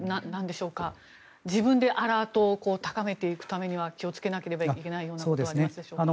自分でアラートを高めていくためには気をつけなければいけないようなことはありますでしょうか。